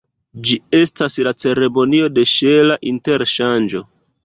Ĝi estas la ceremonio de ŝela interŝanĝo.